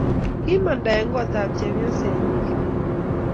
kimanda eng kotap chenyosenyii Kibet